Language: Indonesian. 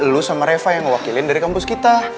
tapi lu sama repa yang ngewakilin dari kampus kita